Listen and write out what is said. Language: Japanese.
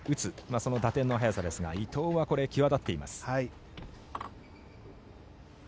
その打点の速さですが伊藤は際立っています。